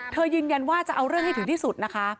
ยืนยันว่าจะเอาเรื่องให้ถึงที่สุดนะคะ